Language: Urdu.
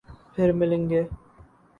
پھر ملیں گے